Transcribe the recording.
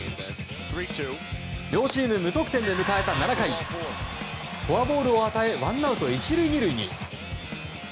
両チーム無得点で迎えた７回フォアボールを与えワンアウト１塁２塁に。